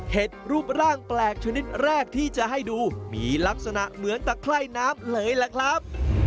รูปร่างแปลกชนิดแรกที่จะให้ดูมีลักษณะเหมือนตะไคร่น้ำเลยล่ะครับ